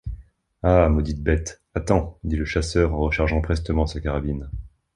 Ah! maudite bête, attends », dit le chasseur en rechargeant prestement sa carabine.